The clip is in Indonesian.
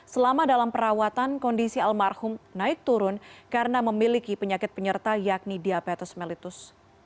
selama dalam perawatan kondisi almarhum naik turun karena memiliki penyakit penyerta yakni diabetes mellitus